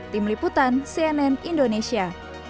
tim liputan cnn indonesia